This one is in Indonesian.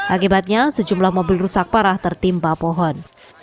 akibatnya sejumlah mobil rusak parah tertimpa pohon